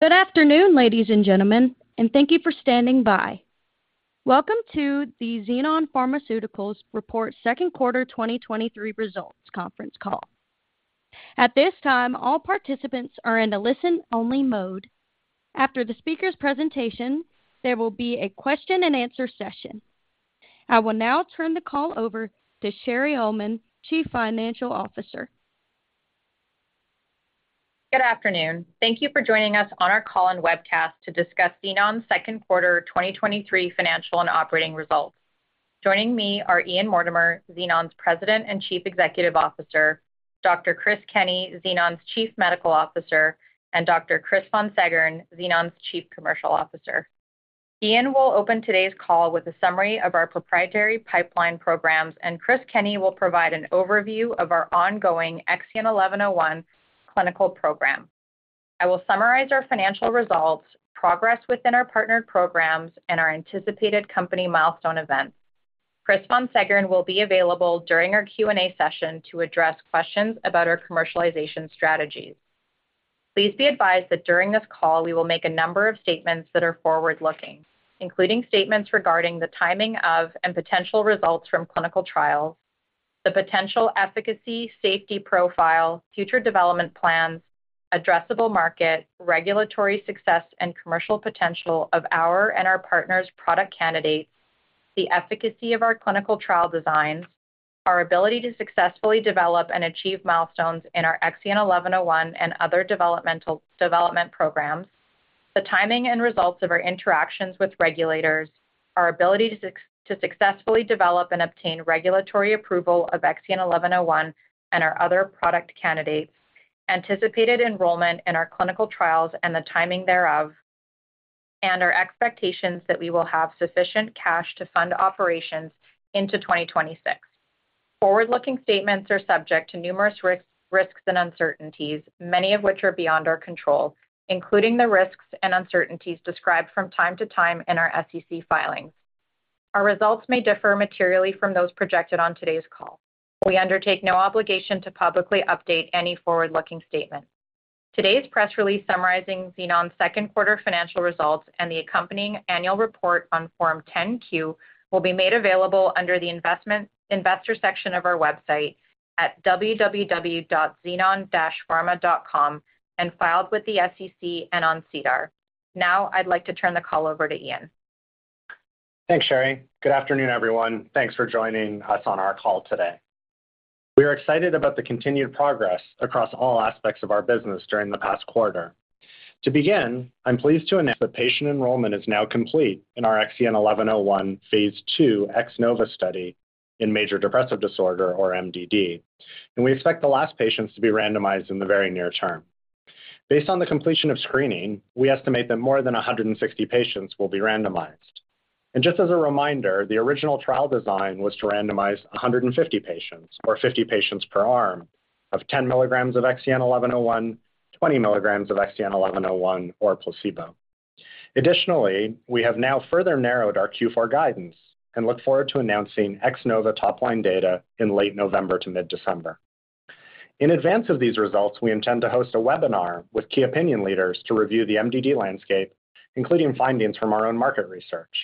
Good afternoon, ladies and gentlemen, and thank you for standing by. Welcome to the Xenon Pharmaceuticals Report Second Quarter 2023 Results conference call. At this time, all participants are in a listen-only mode. After the speaker's presentation, there will be a question-and-answer session. I will now turn the call over to Sherry Aulin, Chief Financial Officer. Good afternoon. Thank you for joining us on our call and webcast to discuss Xenon's second quarter 2023 financial and operating results. Joining me are Ian Mortimer, Xenon's President and Chief Executive Officer, Dr. Chris Kenney, Xenon's Chief Medical Officer, and Dr. Chris Von Seggern, Xenon's Chief Commercial Officer. Ian will open today's call with a summary of our proprietary pipeline programs, and Chris Kenney will provide an overview of our ongoing XEN1101 clinical program. I will summarize our financial results, progress within our partnered programs, and our anticipated company milestone events. Chris Von Seggern will be available during our Q&A session to address questions about our commercialization strategies. Please be advised that during this call, we will make a number of statements that are forward-looking, including statements regarding the timing of and potential results from clinical trials, the potential efficacy, safety profile, future development plans, addressable market, regulatory success and commercial potential of our and our partners' product candidates, the efficacy of our clinical trial designs, our ability to successfully develop and achieve milestones in our XEN1101 and other development programs, the timing and results of our interactions with regulators, our ability to successfully develop and obtain regulatory approval of XEN1101 and our other product candidates, anticipated enrollment in our clinical trials and the timing thereof, and our expectations that we will have sufficient cash to fund operations into 2026. Forward-looking statements are subject to numerous risks and uncertainties, many of which are beyond our control, including the risks and uncertainties described from time to time in our SEC filings. Our results may differ materially from those projected on today's call. We undertake no obligation to publicly update any forward-looking statement. Today's press release summarizing Xenon's second quarter financial results and the accompanying annual report on Form 10-Q will be made available under the investor section of our website at www.xenon-pharma.com and filed with the SEC and on SEDAR. I'd like to turn the call over to Ian. Thanks, Sherry. Good afternoon, everyone. Thanks for joining us on our call today. We are excited about the continued progress across all aspects of our business during the past quarter. To begin, I'm pleased to announce that patient enrollment is now complete in our XEN1101 phase II X-NOVA study in major depressive disorder or MDD, and we expect the last patients to be randomized in the very near term. Based on the completion of screening, we estimate that more than 160 patients will be randomized. Just as a reminder, the original trial design was to randomize 150 patients, or 50 patients per arm, of 10 milligrams of XEN1101, 20 milligrams of XEN1101 or placebo. Additionally, we have now further narrowed our Q4 guidance and look forward to announcing X-NOVA top line data in late November to mid-December. In advance of these results, we intend to host a webinar with key opinion leaders to review the MDD landscape, including findings from our own market research.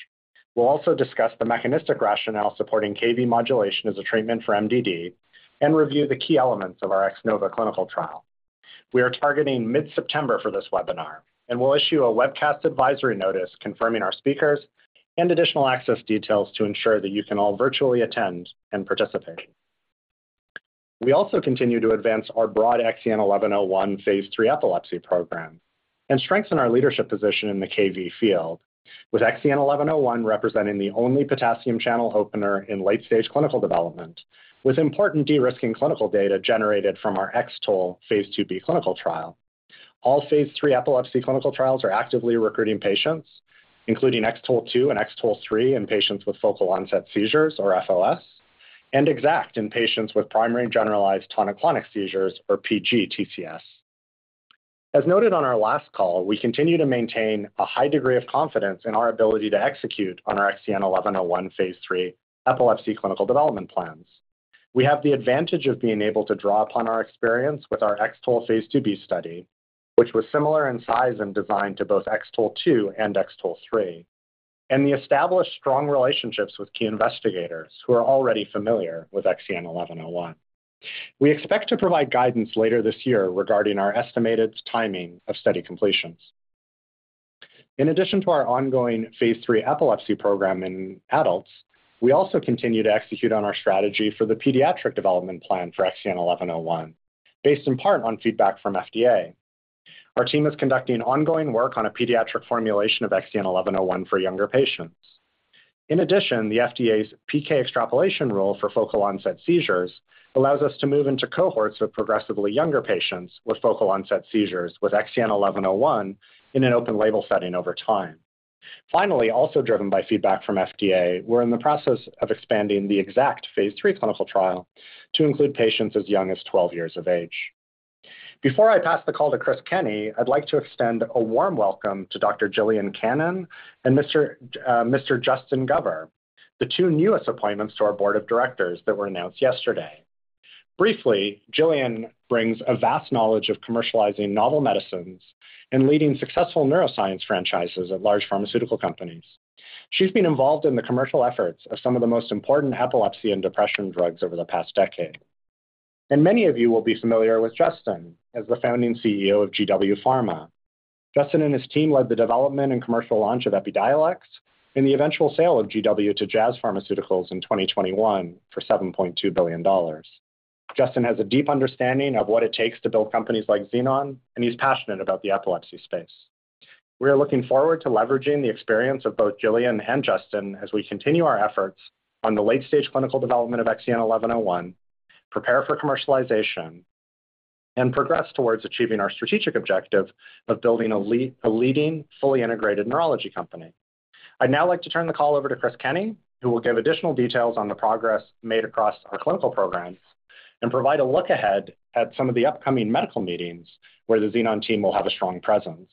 We'll also discuss the mechanistic rationale supporting Kv7 modulation as a treatment for MDD and review the key elements of our X-NOVA clinical trial. We are targeting mid-September for this webinar, and we'll issue a webcast advisory notice confirming our speakers and additional access details to ensure that you can all virtually attend and participate. We also continue to advance our broad XEN1101 phase III epilepsy program and strengthen our leadership position in the Kv field, with XEN1101 representing the only potassium channel opener in late-stage clinical development, with important de-risking clinical data generated from our X-TOLE phase IIb clinical trial. All phase III epilepsy clinical trials are actively recruiting patients, including X-TOLE2 and X-TOLE3 in patients with focal onset seizures or FOS, and X-ACKT in patients with primary generalized tonic-clonic seizures or PGTCS. As noted on our last call, we continue to maintain a high degree of confidence in our ability to execute on our XEN1101 phase III epilepsy clinical development plans. We have the advantage of being able to draw upon our experience with our X-TOLE phase IIb study, which was similar in size and design to both X-TOLE2 and X-TOLE3, and the established strong relationships with key investigators who are already familiar with XEN1101. We expect to provide guidance later this year regarding our estimated timing of study completions. In addition to our ongoing phase III epilepsy program in adults, we also continue to execute on our strategy for the pediatric development plan for XEN1101, based in part on feedback from FDA. Our team is conducting ongoing work on a pediatric formulation of XEN1101 for younger patients. In addition, the FDA's PK extrapolation role for focal onset seizures allows us to move into cohorts of progressively younger patients with focal onset seizures with XEN1101 in an open label setting over time. Finally, also driven by feedback from FDA, we're in the process of expanding the X-ACKT phase III clinical trial to include patients as young as 12 years of age. Before I pass the call to Chris Kenney, I'd like to extend a warm welcome to Dr. Gillian Cannon and Mr. Justin Gover, the two newest appointments to our board of directors that were announced yesterday. Briefly, Gillian brings a vast knowledge of commercializing novel medicines and leading successful neuroscience franchises at large pharmaceutical companies. She's been involved in the commercial efforts of some of the most important epilepsy and depression drugs over the past decade. Many of you will be familiar with Justin as the founding CEO of GW Pharmaceuticals. Justin and his team led the development and commercial launch of Epidiolex and the eventual sale of GW to Jazz Pharmaceuticals in 2021 for $7.2 billion. Justin has a deep understanding of what it takes to build companies like Xenon, and he's passionate about the epilepsy space. We are looking forward to leveraging the experience of both Gillian and Justin as we continue our efforts on the late-stage clinical development of XEN1101, prepare for commercialization, and progress towards achieving our strategic objective of building a leading, fully integrated neurology company. I'd now like to turn the call over to Chris Kenney, who will give additional details on the progress made across our clinical programs and provide a look ahead at some of the upcoming medical meetings where the Xenon team will have a strong presence.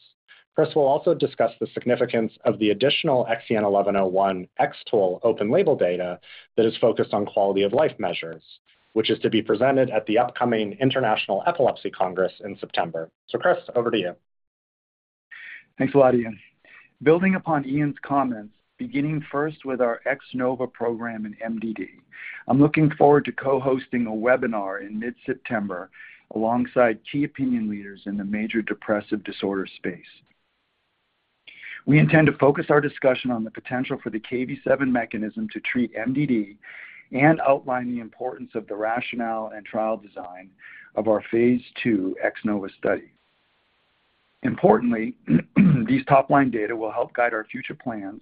Chris will also discuss the significance of the additional XEN1101 X-TOLE open label data that is focused on quality of life measures, which is to be presented at the upcoming International Epilepsy Congress in September. Chris, over to you. Thanks a lot, Ian. Building upon Ian's comments, beginning first with our X-NOVA program in MDD, I'm looking forward to co-hosting a webinar in mid-September alongside key opinion leaders in the major depressive disorder space. We intend to focus our discussion on the potential for the Kv7 mechanism to treat MDD and outline the importance of the rationale and trial design of our phase II X-NOVA study. Importantly, these top-line data will help guide our future plans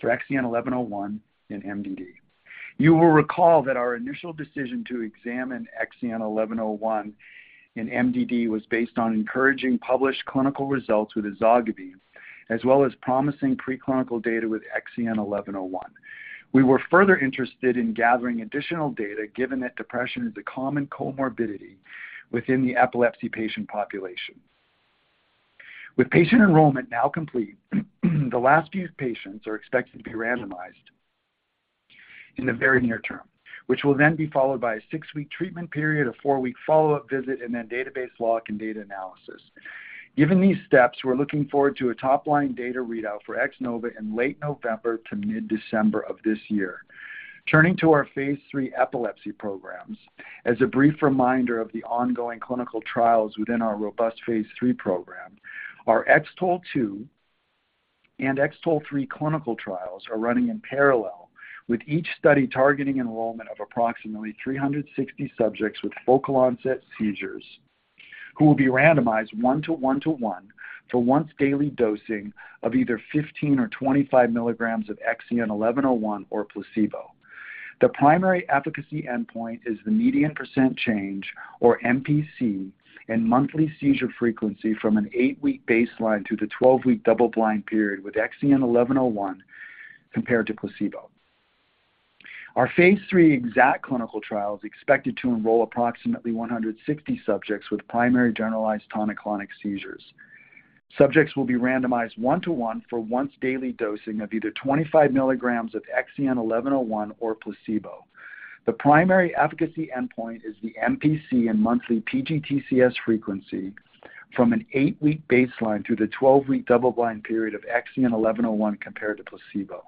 for XEN1101 in MDD. You will recall that our initial decision to examine XEN1101 in MDD was based on encouraging published clinical results with Ezogabine, as well as promising preclinical data with XEN1101. We were further interested in gathering additional data, given that depression is a common comorbidity within the epilepsy patient population. With patient enrollment now complete, the last few patients are expected to be randomized in the very near term, which will then be followed by a 6-week treatment period, a 4-week follow-up visit, and then database lock and data analysis. Given these steps, we're looking forward to a top-line data readout for X-NOVA in late November to mid-December of this year. Turning to our phase III epilepsy programs, as a brief reminder of the ongoing clinical trials within our robust phase III program, our X-TOLE2 and X-TOLE3 clinical trials are running in parallel, with each study targeting enrollment of approximately 360 subjects with focal onset seizures, who will be randomized 1 to 1 to 1 for once-daily dosing of either 15 or 25 milligrams of XEN1101 or placebo. The primary efficacy endpoint is the median percent change, or MPC, in monthly seizure frequency from an 8-week baseline through the 12-week double-blind period, with XEN1101 compared to placebo. Our phase III X-ACKT clinical trial is expected to enroll approximately 160 subjects with primary generalized tonic-clonic seizures. Subjects will be randomized 1:1 for once-daily dosing of either 25 milligrams of XEN1101 or placebo. The primary efficacy endpoint is the MPC and monthly PGTCS frequency from an 8-week baseline through the 12-week double-blind period of XEN1101 compared to placebo.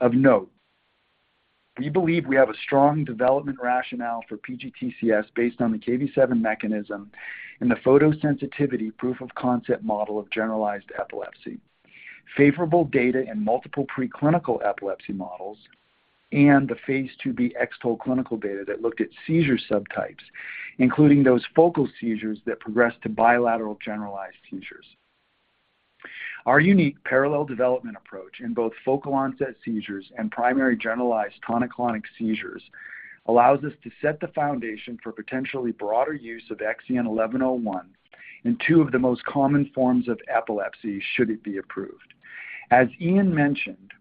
Of note, we believe we have a strong development rationale for PGTCS based on the Kv7 mechanism and the photosensitivity proof-of-concept model of generalized epilepsy, favorable data in multiple preclinical epilepsy models, and the phase IIb X-TOLE clinical data that looked at seizure subtypes, including those focal seizures that progress to bilateral generalized seizures. Our unique parallel development approach in both focal onset seizures and primary generalized tonic-clonic seizures allows us to set the foundation for potentially broader use of XEN1101 in two of the most common forms of epilepsy, should it be approved. As Ian mentioned,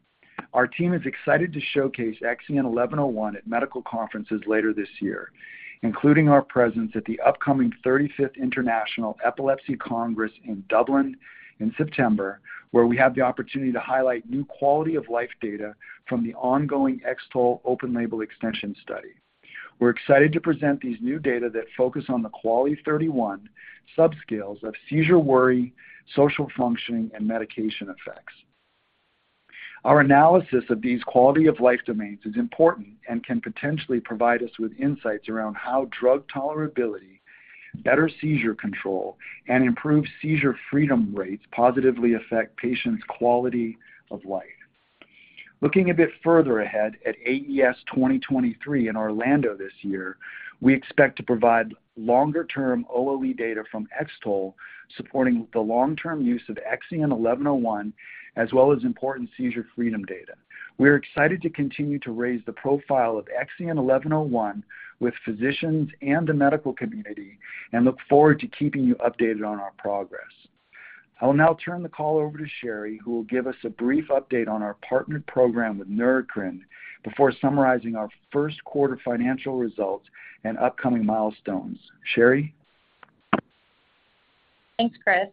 our team is excited to showcase XEN1101 at medical conferences later this year, including our presence at the upcoming 35th International Epilepsy Congress in Dublin in September, where we have the opportunity to highlight new quality of life data from the ongoing X-TOLE open label extension study. We're excited to present these new data that focus on the QOLIE-31 subscales of seizure worry, social functioning, and medication effects. Our analysis of these quality of life domains is important and can potentially provide us with insights around how drug tolerability, better seizure control, and improved seizure freedom rates positively affect patients' quality of life. Looking a bit further ahead at AES 2023 in Orlando this year, we expect to provide longer-term OLE data from X-TOLE, supporting the long-term use of XEN1101, as well as important seizure freedom data. We are excited to continue to raise the profile of XEN1101 with physicians and the medical community and look forward to keeping you updated on our progress. I will now turn the call over to Sherry, who will give us a brief update on our partnered program with Neurocrine before summarizing our first quarter financial results and upcoming milestones. Sherry? Thanks, Chris.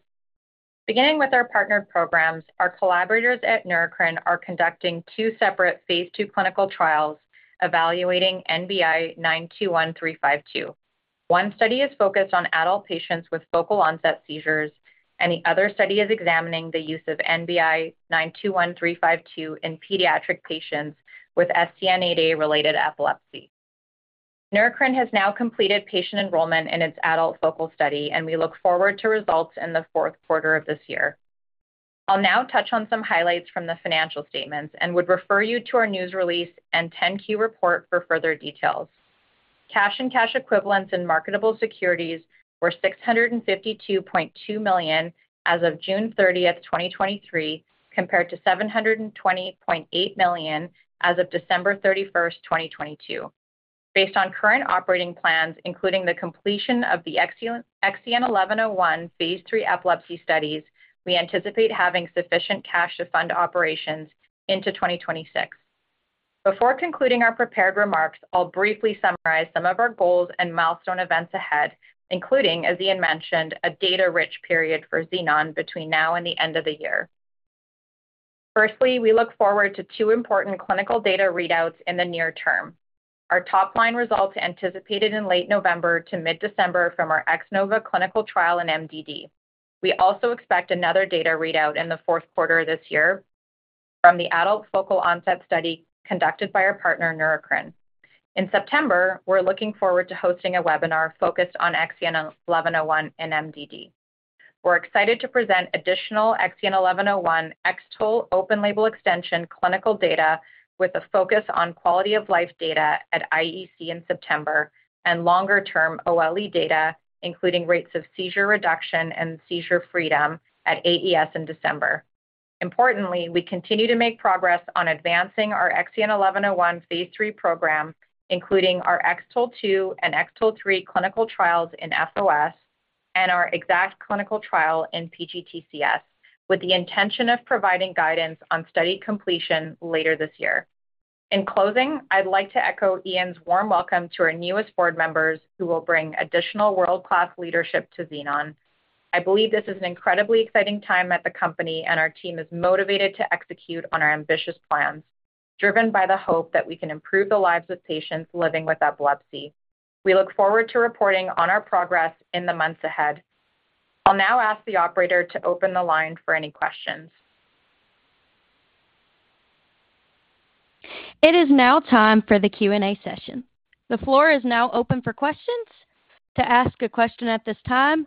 Beginning with our partner programs, our collaborators at Neurocrine are conducting two separate phase II clinical trials evaluating NBI-921352. One study is focused on adult patients with focal onset seizures. The other study is examining the use of NBI-921352 in pediatric patients with SCN8A related epilepsy. Neurocrine has now completed patient enrollment in its adult focal study. We look forward to results in the fourth quarter of this year. I'll now touch on some highlights from the financial statements. Would refer you to our news release and 10-Q report for further details. Cash and cash equivalents in marketable securities were $652.2 million as of June 30, 2023, compared to $720.8 million as of December 31, 2022. Based on current operating plans, including the completion of the XEN1101 phase III epilepsy studies, we anticipate having sufficient cash to fund operations into 2026. Before concluding our prepared remarks, I'll briefly summarize some of our goals and milestone events ahead, including, as Ian mentioned, a data-rich period for Xenon between now and the end of the year. Firstly, we look forward to two important clinical data readouts in the near term. Our top-line results are anticipated in late November to mid-December from our X-NOVA clinical trial in MDD. We also expect another data readout in the fourth quarter of this year from the adult focal onset study conducted by our partner, Neurocrine. In September, we're looking forward to hosting a webinar focused on XEN1101 and MDD. We're excited to present additional XEN1101 X-TOLE open label extension clinical data with a focus on quality of life data at IEC in September and longer-term OLE data, including rates of seizure reduction and seizure freedom at AES in December. Importantly, we continue to make progress on advancing our XEN1101 phase III program, including our X-TOLE2 and X-TOLE3 clinical trials in FOS and our X-ACKT clinical trial in PGTCS, with the intention of providing guidance on study completion later this year. In closing, I'd like to echo Ian's warm welcome to our newest board members, who will bring additional world-class leadership to Xenon. I believe this is an incredibly exciting time at the company, and our team is motivated to execute on our ambitious plans, driven by the hope that we can improve the lives of patients living with epilepsy. We look forward to reporting on our progress in the months ahead. I'll now ask the operator to open the line for any questions. It is now time for the Q&A session. The floor is now open for questions. To ask a question at this time,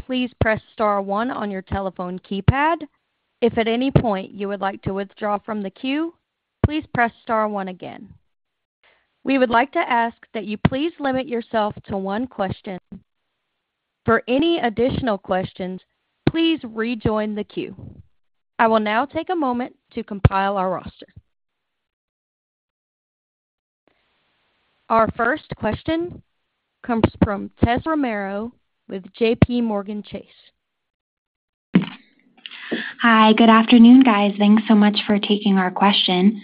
please press star one on your telephone keypad. If at any point you would like to withdraw from the queue, please press star one again. We would like to ask that you please limit yourself to one question. For any additional questions, please rejoin the queue. I will now take a moment to compile our roster. Our first question comes from Tessa Romero with JPMorgan. Hi, good afternoon, guys. Thanks so much for taking our question.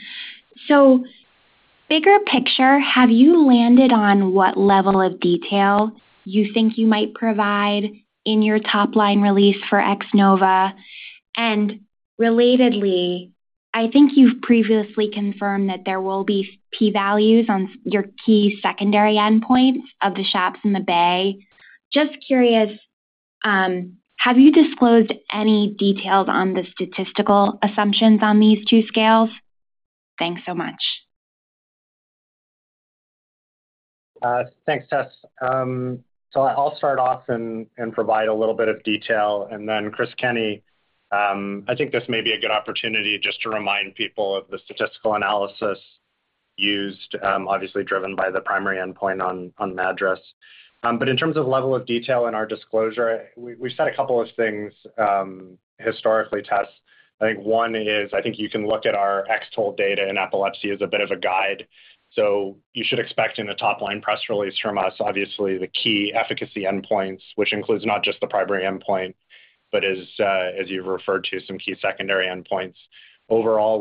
Bigger picture, have you landed on what level of detail you think you might provide in your top-line release for X-NOVA? Relatedly, I think you've previously confirmed that there will be p-values on your key secondary endpoints of the SHAPS and the BAI. Just curious, have you disclosed any details on the statistical assumptions on these two scales? Thanks so much. Thanks, Tess. I'll start off and provide a little bit of detail, and then Chris Kenney, I think this may be a good opportunity just to remind people of the statistical analysis used, obviously driven by the primary endpoint on the address. In terms of level of detail in our disclosure, we said 2 things historically, Tess. I think 1 is, I think you can look at our X-TOLE data, and epilepsy as a bit of a guide. You should expect in the top-line press release from us, obviously, the key efficacy endpoints, which includes not just the primary endpoint, but as you've referred to, some key secondary endpoints. Overall,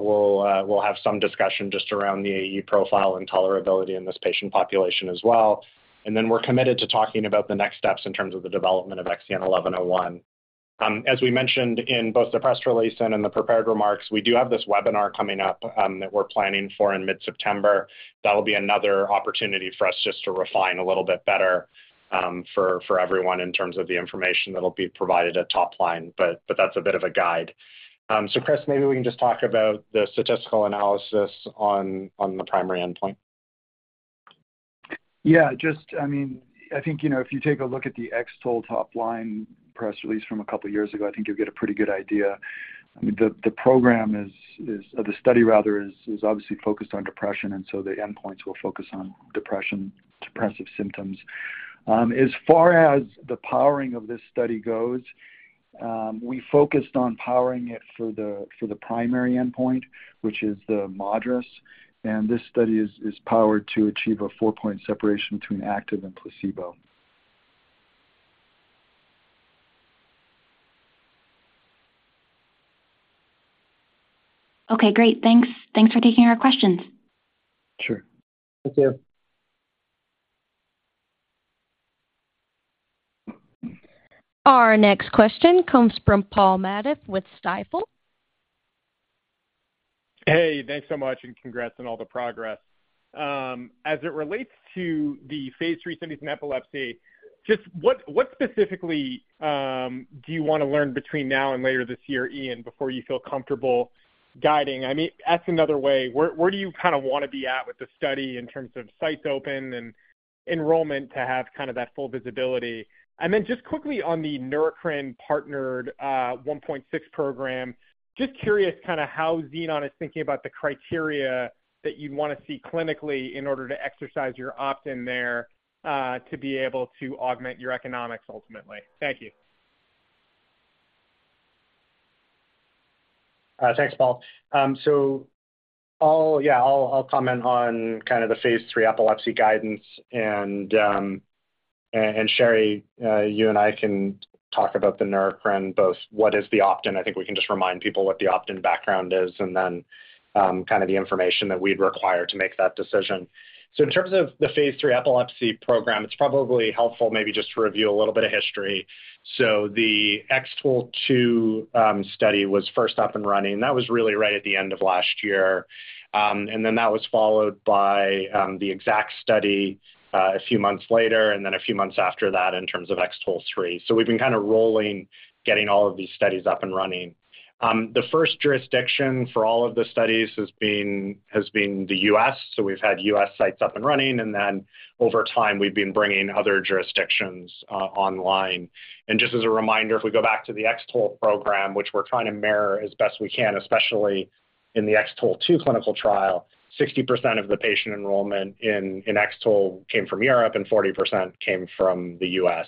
we'll have some discussion just around the AE profile and tolerability in this patient population as well. Then we're committed to talking about the next steps in terms of the development of XEN1101. As we mentioned in both the press release and in the prepared remarks, we do have this webinar coming up, that we're planning for in mid-September. That will be another opportunity for us just to refine a little bit better, for everyone in terms of the information that'll be provided at top line, that's a bit of a guide. Chris, maybe we can just talk about the statistical analysis on the primary endpoint. Yeah, just I mean, I think, you know, if you take a look at the X-TOLE top line press release from 2 years ago, I think you'll get a pretty good idea. I mean, Or the study, rather, is, is obviously focused on depression, and so the endpoints will focus on depression, depressive symptoms. As far as the powering of this study goes, we focused on powering it for the primary endpoint, which is the MADRS, and this study is, is powered to achieve a 4-point separation between active and placebo. Okay, great. Thanks. Thanks for taking our questions. Sure. Thank you. Our next question comes from Paul Matteis with Stifel. Hey, thanks so much, and congrats on all the progress. As it relates to the phase III studies in epilepsy, just what, what specifically, do you want to learn between now and later this year, Ian, before you feel comfortable guiding? I mean, ask another way, where, where do you kind of want to be at with the study in terms of sites open and enrollment to have kind of that full visibility? Then just quickly on the Neurocrine partnered, Nav1.6 program, just curious kind of how Xenon is thinking about the criteria that you'd want to see clinically in order to exercise your opt-in there, to be able to augment your economics ultimately. Thank you. Thanks, Paul. I'll, yeah, I'll, I'll comment on kind of the phase III epilepsy guidance and Sherry, you and I can talk about the Neurocrine Biosciences, both what is the opt-in? I think we can just remind people what the opt-in background is and then kind of the information that we'd require to make that decision. In terms of the phase III epilepsy program, it's probably helpful maybe just to review a little bit of history. The X-TOLE2 study was first up and running. That was really right at the end of last year. Then that was followed by the exact study a few months later, and then a few months after that, in terms of X-TOLE3. We've been kind of rolling, getting all of these studies up and running. The first jurisdiction for all of the studies has been, has been the U.S., we've had U.S. sites up and running, and then over time, we've been bringing other jurisdictions online. Just as a reminder, if we go back to the X-TOLE program, which we're trying to mirror as best we can, especially in the X-TOLE2 clinical trial, 60% of the patient enrollment in, in X-TOLE came from Europe, and 40% came from the U.S.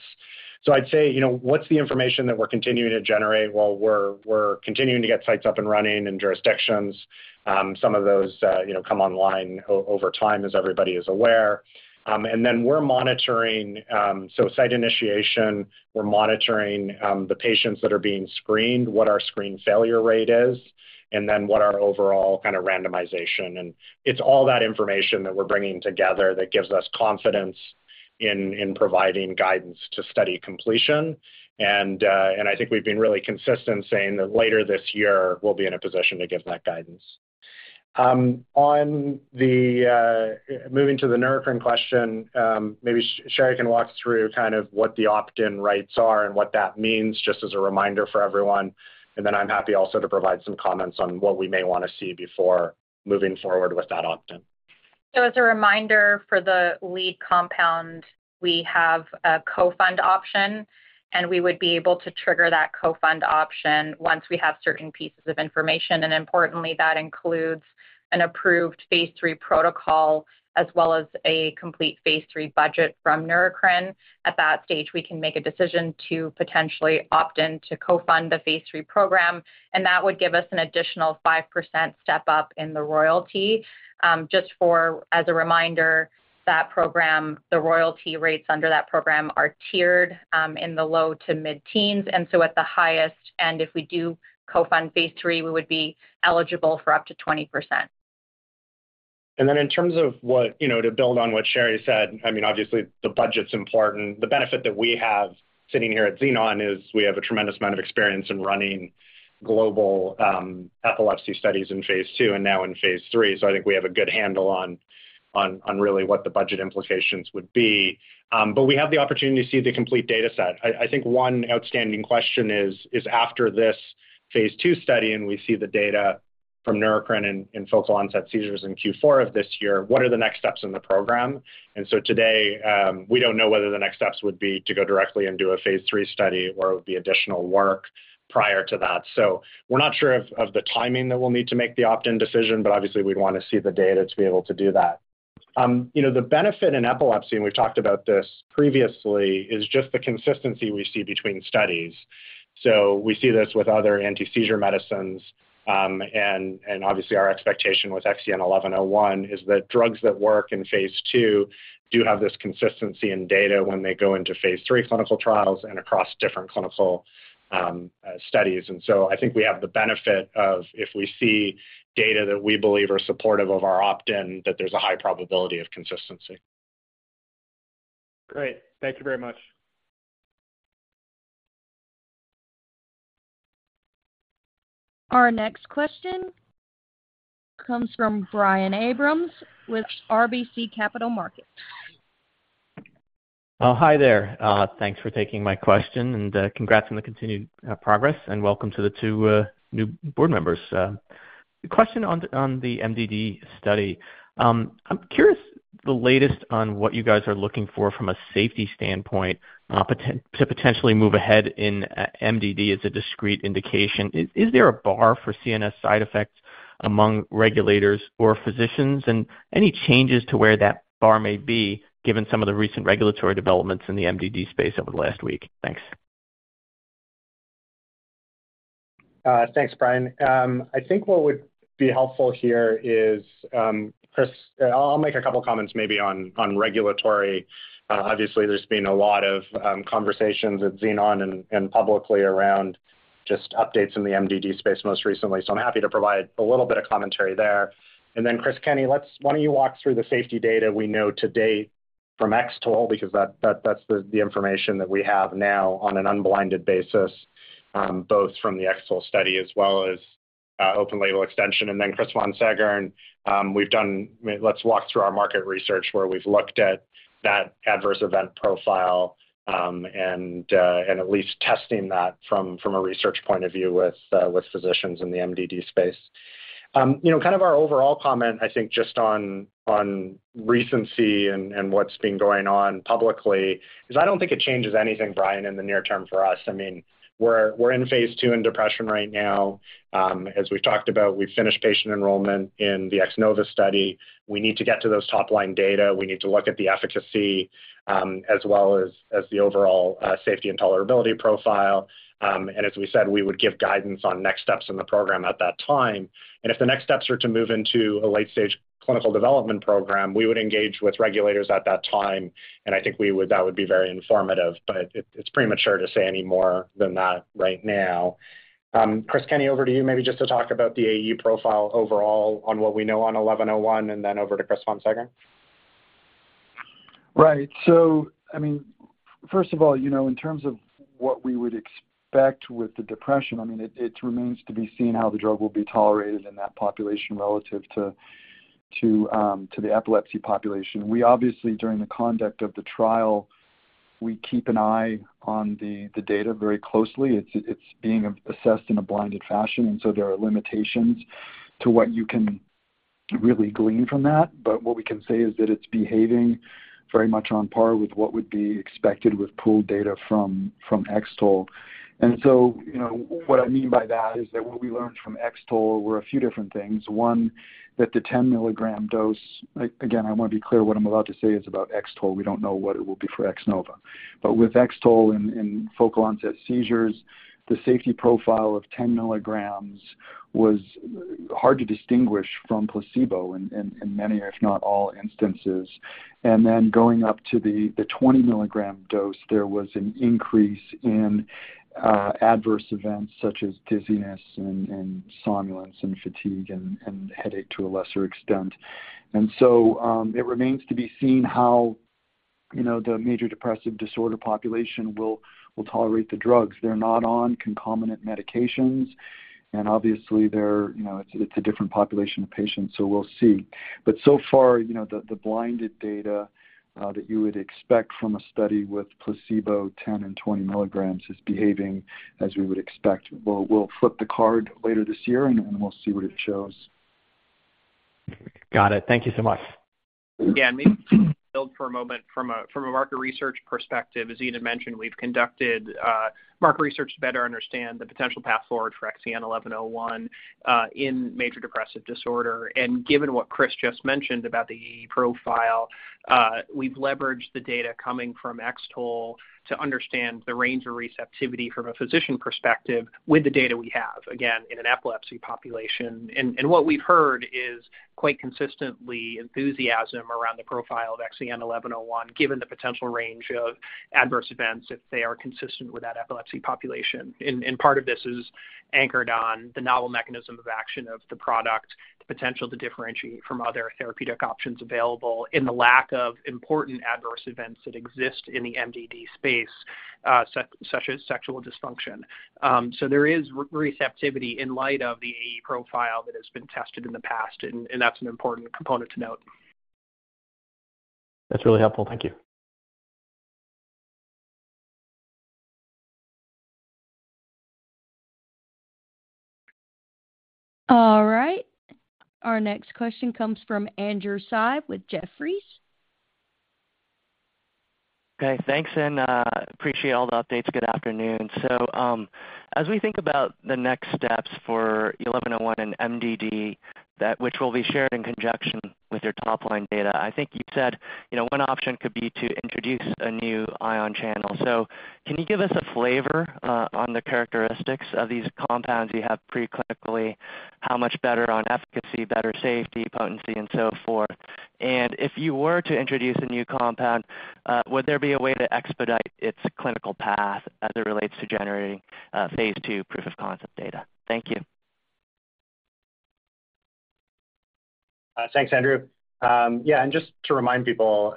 I'd say, you know, what's the information that we're continuing to generate while we're, we're continuing to get sites up and running in jurisdictions, some of those, you know, come online over time, as everybody is aware. Then we're monitoring, so site initiation, we're monitoring, the patients that are being screened, what our screen failure rate is, then what our overall kind of randomization. It's all that information that we're bringing together that gives us confidence in, in providing guidance to study completion. I think we've been really consistent in saying that later this year, we'll be in a position to give that guidance. On the moving to the Neurocrine question, maybe Sherry can walk us through kind of what the opt-in rights are and what that means, just as a reminder for everyone. Then I'm happy also to provide some comments on what we may want to see before moving forward with that opt-in. As a reminder, for the lead compound, we have a co-fund option, and we would be able to trigger that co-fund option once we have certain pieces of information. Importantly, that includes an approved phase III protocol, as well as a complete phase III budget from Neurocrine. At that stage, we can make a decision to potentially opt in to co-fund the phase III program, and that would give us an additional 5% step up in the royalty. Just for, as a reminder, that program, the royalty rates under that program are tiered in the low to mid-teens, and so at the highest end, if we do co-fund phase III, we would be eligible for up to 20%. In terms of what, you know, to build on what Sherry said, I mean, obviously the budget's important. The benefit that we have sitting here at Xenon is we have a tremendous amount of experience in running global epilepsy studies in phase II and now in phase III. I think we have a good handle on, on, on really what the budget implications would be. We have the opportunity to see the complete data set. I, I think one outstanding question is, is after this phase II study, and we see the data from Neurocrine in, in focal onset seizures in Q4 of this year, what are the next steps in the program? Today, we don't know whether the next steps would be to go directly and do a phase III study or the additional work prior to that. We're not sure of, of the timing that we'll need to make the opt-in decision, but obviously, we'd want to see the data to be able to do that. You know, the benefit in epilepsy, and we've talked about this previously, is just the consistency we see between studies. We see this with other anti-seizure medicines, and, and obviously our expectation with XEN1101 is that drugs that work in phase II do have this consistency in data when they go into phase III clinical trials and across different clinical studies. I think we have the benefit of if we see data that we believe are supportive of our opt-in, that there's a high probability of consistency. Great. Thank you very much. Our next question comes from Brian Abrahams with RBC Capital Markets. Hi there. Thanks for taking my question, congrats on the continued progress, and welcome to the two new board members. The question on the MDD study, I'm curious the latest on what you guys are looking for from a safety standpoint, to potentially move ahead in MDD as a discrete indication. Is there a bar for CNS side effects among regulators or physicians? Any changes to where that bar may be, given some of the recent regulatory developments in the MDD space over the last week? Thanks. Thanks, Brian. I think what would be helpful here is, Chris, I'll make a couple comments maybe on regulatory. Obviously, there's been a lot of conversations at Xenon and publicly around just updates in the MDD space most recently. I'm happy to provide a little bit of commentary there. Then, Chris Kenney, why don't you walk through the safety data we know to date from X-TOLE, because that, that, that's the, the information that we have now on an unblinded basis, both from the X-TOLE study as well as open label extension. Then, Chris Von Seggern, we've done-- let's walk through our market research, where we've looked at that adverse event profile, and at least testing that from, from a research point of view with physicians in the MDD space. You know, kind of our overall comment, I think, just on, on recency and, and what's been going on publicly, is I don't think it changes anything, Brian, in the near term for us. I mean, we're, we're in phase II in depression right now. As we've talked about, we've finished patient enrollment in the X-NOVA study. We need to get to those top-line data. We need to look at the efficacy, as well as, as the overall safety and tolerability profile. As we said, we would give guidance on next steps in the program at that time. If the next steps are to move into a late-stage clinical development program, we would engage with regulators at that time, and I think we would-- that would be very informative. It, it's premature to say any more than that right now. Chris Kenney, over to you, maybe just to talk about the AE profile overall on what we know on 1101, and then over to Chris Von Seggern. Right. I mean, first of all, you know, in terms of what we would expect with the depression, I mean, it, it remains to be seen how the drug will be tolerated in that population relative to, to the epilepsy population. We obviously, during the conduct of the trial, we keep an eye on the, the data very closely. It's, it's being assessed in a blinded fashion, there are limitations to what you can really glean from that. What we can say is that it's behaving very much on par with what would be expected with pooled data from, from X-TOLE. You know, what I mean by that is that what we learned from X-TOLE were a few different things. One, that the 10-milligram dose... Again, I want to be clear, what I'm about to say is about X-TOLE. We don't know what it will be for X-NOVA. With X-TOLE in focal onset seizures, the safety profile of 10 milligrams was hard to distinguish from placebo in many, if not all, instances. Then going up to the 20 milligram dose, there was an increase in adverse events such as dizziness, somnolence, fatigue, and headache to a lesser extent. So it remains to be seen how, you know, the MDD population will tolerate the drugs. They're not on concomitant medications, and obviously, they're, you know, it's a different population of patients, so we'll see. So far, you know, the blinded data that you would expect from a study with placebo, 10 and 20 milligrams, is behaving as we would expect. We'll flip the card later this year, and we'll see what it shows. Got it. Thank you so much. Yeah, maybe for a moment from a, from a market research perspective, as Ian mentioned, we've conducted market research to better understand the potential path forward for XEN1101 in major depressive disorder. Given what Chris just mentioned about the profile, we've leveraged the data coming from X-TOLE to understand the range of receptivity from a physician perspective with the data we have, again, in an epilepsy population. What we've heard is quite consistently enthusiasm around the profile of XEN1101, given the potential range of adverse events, if they are consistent with that epilepsy population. Part of this is anchored on the novel mechanism of action of the product, the potential to differentiate from other therapeutic options available, and the lack of important adverse events that exist in the MDD space, such as sexual dysfunction. There is receptivity in light of the AE profile that has been tested in the past, and that's an important component to note. That's really helpful. Thank you. All right, our next question comes from Andrew Tsai with Jefferies. Okay, thanks, and appreciate all the updates. Good afternoon. As we think about the next steps for 1101 and MDD, that which will be shared in conjunction with your top-line data, I think you said, you know, one option could be to introduce a new ion channel. Can you give us a flavor on the characteristics of these compounds you have preclinically? How much better on efficacy, better safety, potency, and so forth? And if you were to introduce a new compound, would there be a way to expedite its clinical path as it relates to generating phase II proof of concept data? Thank you. Thanks, Andrew. Yeah, just to remind people,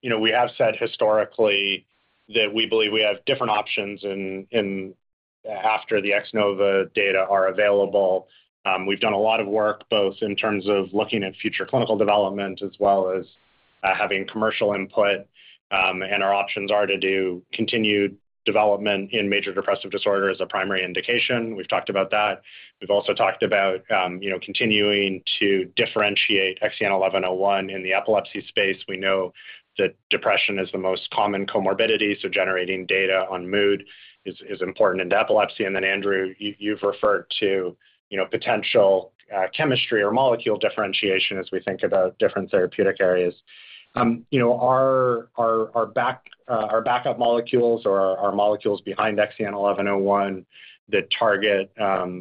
you know, we have said historically that we believe we have different options in after the X-NOVA data are available. We've done a lot of work, both in terms of looking at future clinical development as well as having commercial input. Our options are to do continued development in major depressive disorder as a primary indication. We've talked about that. We've also talked about, you know, continuing to differentiate XEN1101 in the epilepsy space. We know that depression is the most common comorbidity, generating data on mood is, is important in epilepsy. Andrew, you, you've referred to, you know, potential chemistry or molecule differentiation as we think about different therapeutic areas. You know, our, our, our back, our backup molecules or our molecules behind XEN1101, that target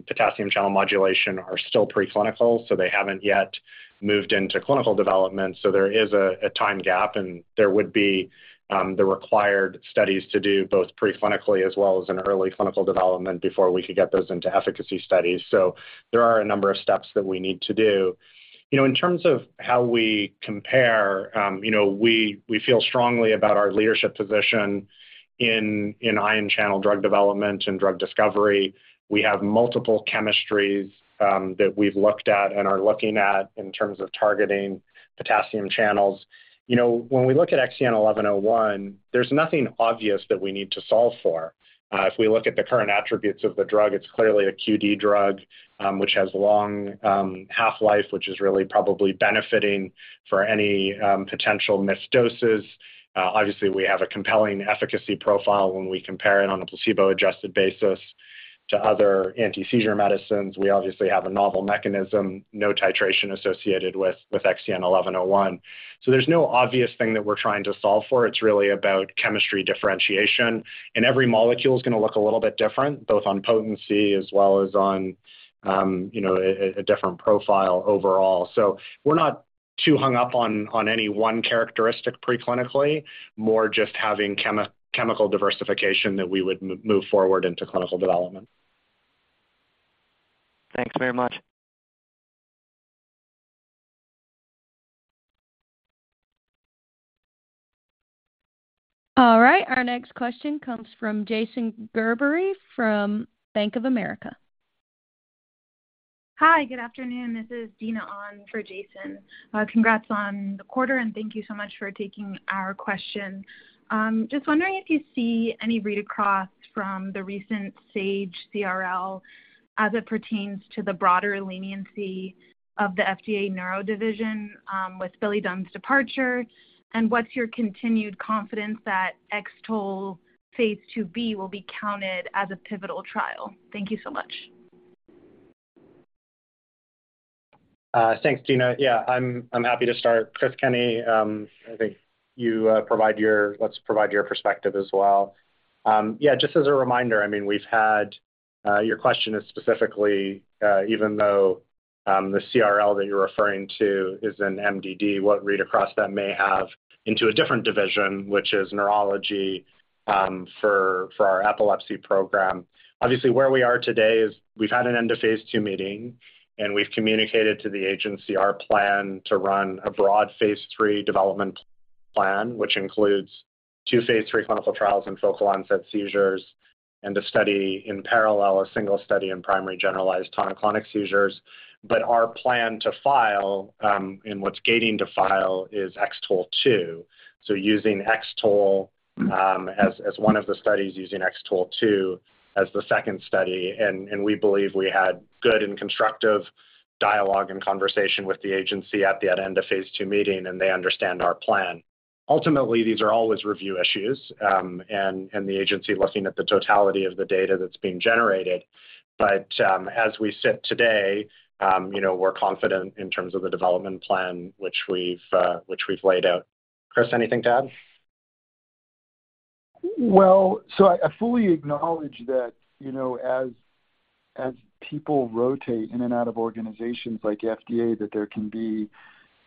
potassium channel modulation, are still preclinical, they haven't yet moved into clinical development. There is a, a time gap, and there would be the required studies to do both preclinically as well as in early clinical development before we could get those into efficacy studies. There are a number of steps that we need to do. You know, in terms of how we compare, you know, we, we feel strongly about our leadership position in, in ion channel drug development and drug discovery. We have multiple chemistries that we've looked at and are looking at in terms of targeting potassium channels. You know, when we look at XEN1101, there's nothing obvious that we need to solve for. If we look at the current attributes of the drug, it's clearly a QD drug, which has long half-life, which is really probably benefiting for any potential missed doses. Obviously, we have a compelling efficacy profile when we compare it on a placebo-adjusted basis to other anti-seizure medicines. We obviously have a novel mechanism, no titration associated with, with XEN1101. There's no obvious thing that we're trying to solve for. It's really about chemistry differentiation, and every molecule is going to look a little bit different, both on potency as well as on, you know, a, a different profile overall. We're not too hung up on, on any one characteristic preclinically, more just having chemical diversification that we would move forward into clinical development. Thanks very much. All right, our next question comes from Jason Gerberry from Bank of America. Hi, good afternoon. This is Dina on for Jason. Congrats on the quarter. Thank you so much for taking our question. Just wondering if you see any read-across from the recent Sage CRL as it pertains to the broader leniency of the FDA Neuro Division, with Billy Dunn's departure. What's your continued confidence that X-TOLE phase IIb will be counted as a pivotal trial? Thank you so much. Thanks, Dina. Yeah, I'm, I'm happy to start. Chris Kenney, I think you provide your, let's provide your perspective as well. Yeah, just as a reminder, I mean, we've had, your question is specifically, even though the CRL that you're referring to is an MDD, what read-across that may have into a different division, which is neurology, for our epilepsy program. Obviously, where we are today is we've had an end-of-phase II meeting, and we've communicated to the agency our plan to run a broad phase III development plan, which includes two phase III clinical trials and focal onset seizures and a study in parallel, a single study in primary generalized tonic-clonic seizures. Our plan to file, and what's gating to file is X-TOLE2. Using X-TOLE, as, as one of the studies, using X-TOLE2 as the second study, and, and we believe we had good and constructive dialogue and conversation with the FDA at the end of phase II meeting, and they understand our plan. Ultimately, these are always review issues, and, and the FDA looking at the totality of the data that's being generated. As we sit today, you know, we're confident in terms of the development plan, which we've, which we've laid out. Chris, anything to add? Well, so I, I fully acknowledge that, you know, as, as people rotate in and out of organizations like FDA, that there can be,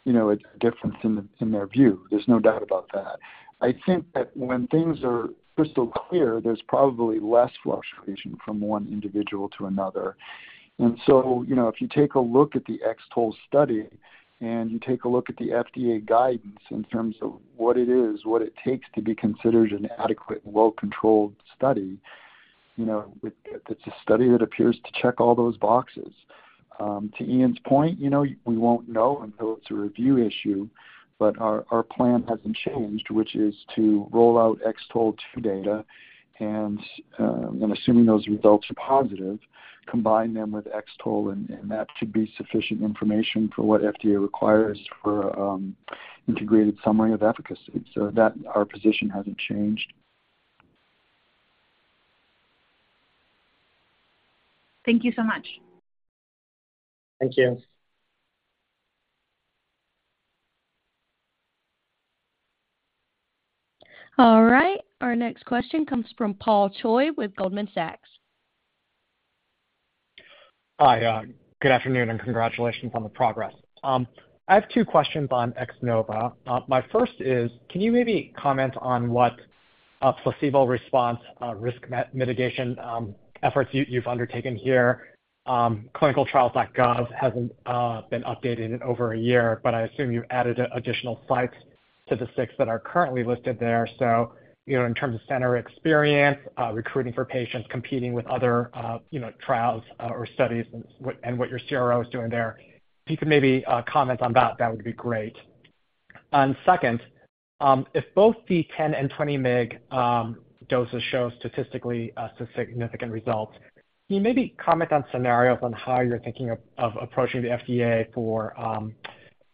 you know, a difference in, in their view. There's no doubt about that. I think that when things are crystal clear, there's probably less fluctuation from one individual to another. You know, if you take a look at the X-TOLE study and you take a look at the FDA guidance in terms of what it is, what it takes to be considered an adequate, well-controlled study, you know, it, it's a study that appears to check all those boxes. To Ian's point, you know, we won't know until it's a review issue, but our, our plan hasn't changed, which is to roll out X-TOLE2 data and, and assuming those results are positive, combine them with X-TOLE, and, and that should be sufficient information for what FDA requires for, integrated summary of efficacy. That our position hasn't changed. Thank you so much. Thank you. All right, our next question comes from Paul Choi with Goldman Sachs. Hi, good afternoon, and congratulations on the progress. I have two questions on X-NOVA. My first is, can you maybe comment on what placebo response, risk mitigation efforts you've undertaken here? clinicaltrials.gov hasn't been updated in over a year, but I assume you've added additional sites to the six that are currently listed there. In terms of center experience, you know, recruiting for patients, competing with other, you know, trials or studies and what your CRO is doing there. If you could maybe comment on that, that would be great. Second, if both the 10 and 20 mg doses show statistically significant results, can you maybe comment on scenarios on how you're thinking of approaching the FDA for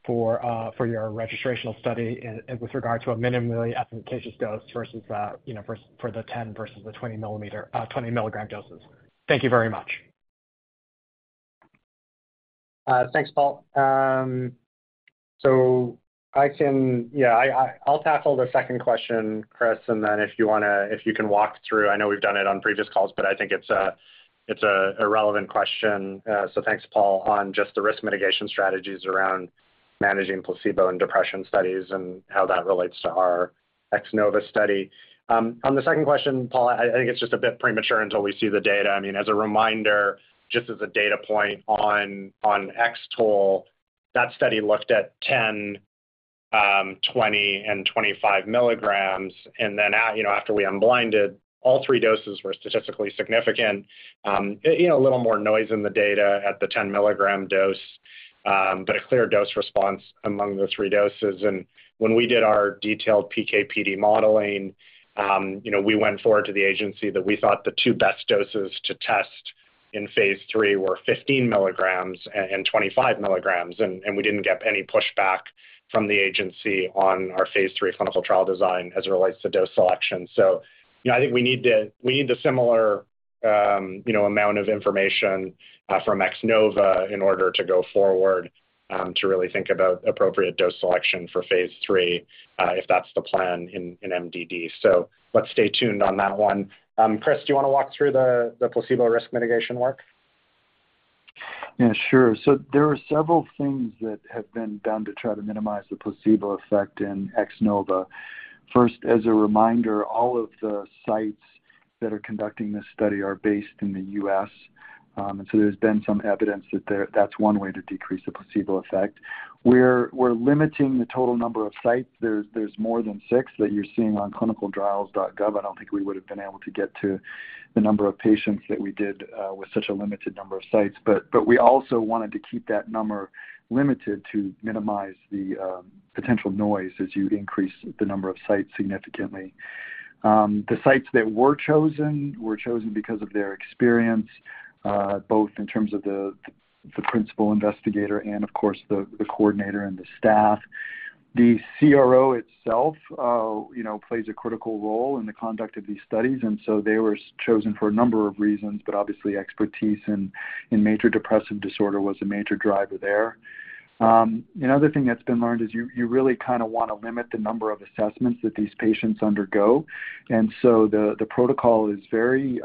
your registrational study and with regard to a minimally efficacious dose versus, you know, for, for the 10 versus the 20 milligram, 20 milligram doses? Thank you very much. Thanks, Paul. I'll tackle the second question, Chris, and then if you wanna, if you can walk through I know we've done it on previous calls, but I think it's a, it's a, a relevant question. Thanks, Paul, on just the risk mitigation strategies around managing placebo in depression studies and how that relates to our X-NOVA study. On the second question, Paul, I think it's just a bit premature until we see the data. I mean, as a reminder, just as a data point on X-TOLE, that study looked at 10, 20 and 25 milligrams. After we unblinded, all 3 doses were statistically significant. A little more noise in the data at the 10-milligram dose, but a clear dose response among the 3 doses. When we did our detailed PK/PD modeling, you know, we went forward to the agency that we thought the 2 best doses to test in phase III were 15 milligrams and 25 milligrams, and we didn't get any pushback from the agency on our phase III clinical trial design as it relates to dose selection. You know, I think we need the similar, you know, amount of information from X-NOVA in order to go forward to really think about appropriate dose selection for phase III, if that's the plan in MDD. Let's stay tuned on that one. Chris, do you wanna walk through the placebo risk mitigation work? Yeah, sure. There are several things that have been done to try to minimize the placebo effect in X-NOVA. First, as a reminder, all of the sites that are conducting this study are based in the U.S., there's been some evidence that that's one way to decrease the placebo effect. We're, we're limiting the total number of sites. There's, there's more than six that you're seeing on clinicaltrials.gov. I don't think we would have been able to get to the number of patients that we did with such a limited number of sites. But we also wanted to keep that number limited to minimize the potential noise as you increase the number of sites significantly. The sites that were chosen were chosen because of their experience, both in terms of the principal investigator and, of course, the coordinator and the staff. The CRO itself, you know, plays a critical role in the conduct of these studies, so they were chosen for a number of reasons, but obviously, expertise in major depressive disorder was a major driver there. Another thing that's been learned is you, you really kind of want to limit the number of assessments that these patients undergo, so the protocol is very,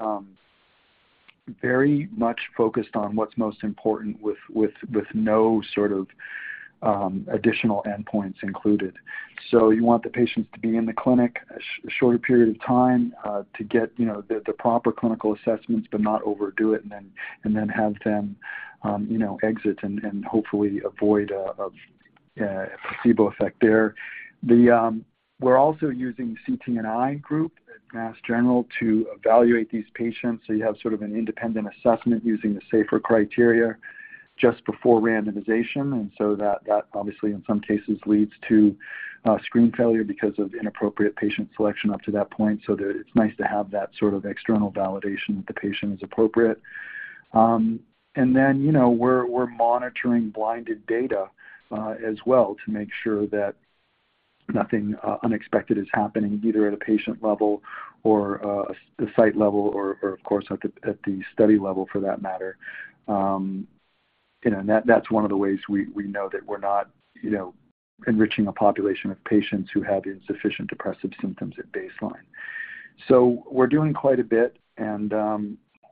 very much focused on what's most important with, with, with no sort of additional endpoints included. You want the patients to be in the clinic a shorter period of time, to get, you know, the, the proper clinical assessments, but not overdo it, and then, and then have them, you know, exit and, and hopefully avoid a, a, a placebo effect there. We're also using CTNI group at Mass General to evaluate these patients, so you have sort of an independent assessment using the SAFER criteria just before randomization. That, that obviously, in some cases, leads to screen failure because of inappropriate patient selection up to that point. It's nice to have that sort of external validation that the patient is appropriate. Then, you know, we're monitoring blinded data as well to make sure that nothing unexpected is happening, either at a patient level or the site level or of course, at the study level, for that matter. You know, that's one of the ways we know that we're not, you know, enriching a population of patients who have insufficient depressive symptoms at baseline. We're doing quite a bit, and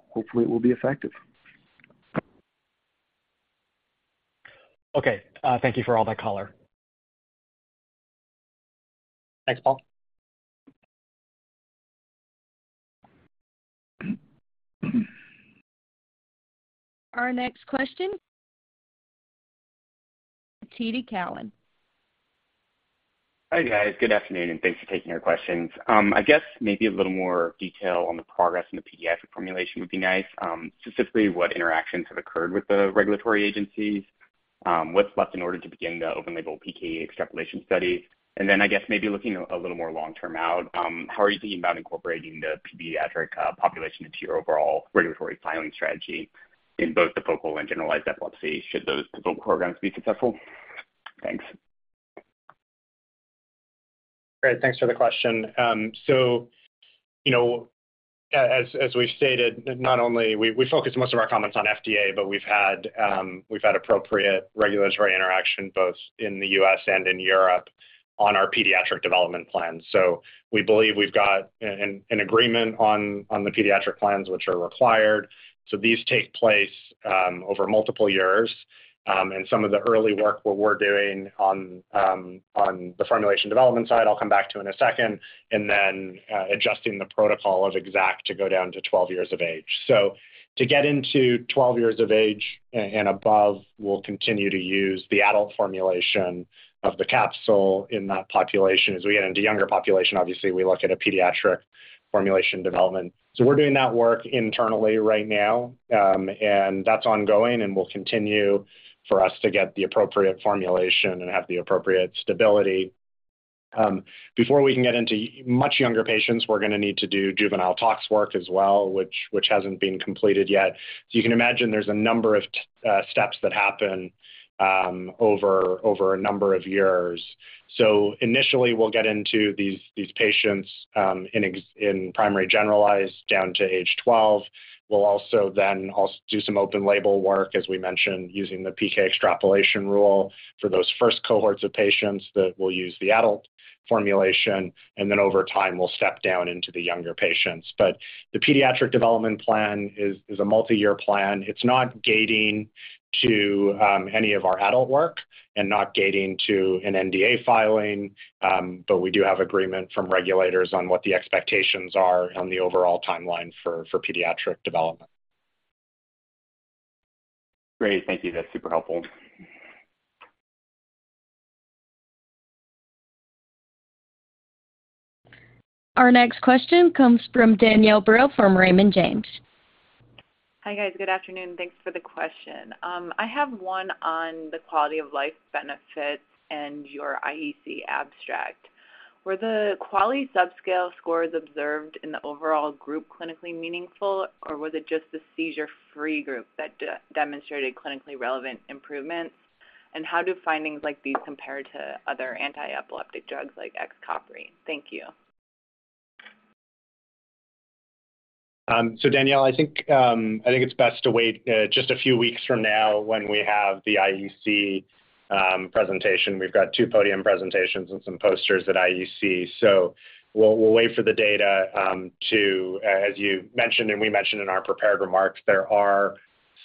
hopefully it will be effective. Okay, thank you for all that color. Thanks, Paul. Our next question, TD Cowen. Hi, guys. Good afternoon, thanks for taking our questions. I guess maybe a little more detail on the progress in the pediatric formulation would be nice. Specifically, what interactions have occurred with the regulatory agencies? What's left in order to begin the open label PK extrapolation studies? Then I guess maybe looking a little more long-term out, how are you thinking about incorporating the pediatric population into your overall regulatory filing strategy in both the focal and generalized epilepsy, should those focal programs be successful? Thanks. Great, thanks for the question. So you know, as, as we've stated, not only we focus most of our comments on FDA, but we've had appropriate regulatory interaction both in the US and in Europe on our pediatric development plan. We believe we've got an, an, an agreement on, on the pediatric plans, which are required. These take place over multiple years. And some of the early work what we're doing on the formulation development side, I'll come back to in a second, and then adjusting the protocol of X-ACKT to go down to 12 years of age. To get into 12 years of age and above, we'll continue to use the adult formulation of the capsule in that population. As we get into younger population, obviously, we look at a pediatric formulation development. We're doing that work internally right now, and that's ongoing and will continue for us to get the appropriate formulation and have the appropriate stability. Before we can get into much younger patients, we're going to need to do juvenile tox work as well, which, which hasn't been completed yet. You can imagine there's a number of steps that happen over a number of years. Initially, we'll get into these, these patients in primary generalized down to age 12. We'll also then do some open label work, as we mentioned, using the PK extrapolation rule for those first cohorts of patients that will use the adult formulation, and then over time, we'll step down into the younger patients. The pediatric development plan is, is a multi-year plan. It's not gating to any of our adult work and not gating to an NDA filing. We do have agreement from regulators on what the expectations are on the overall timeline for, for pediatric development. Great. Thank you. That's super helpful. Our next question comes from Danielle Brill, from Raymond James. Hi, guys. Good afternoon, thanks for the question. I have one on the quality of life benefits and your IEC abstract. Were the quality subscale scores observed in the overall group clinically meaningful, or was it just the seizure-free group that demonstrated clinically relevant improvements? How do findings like these compare to other antiepileptic drugs like Xcopri? Thank you. Danielle, I think I think it's best to wait just a few weeks from now when we have the IEC presentation. We've got two podium presentations and some posters at IEC. We'll wait for the data as you mentioned, and we mentioned in our prepared remarks, there are